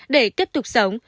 để tiếp tục sống